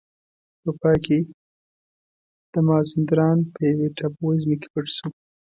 په پای کې د مازندران په یوې ټاپو وزمې کې پټ شو.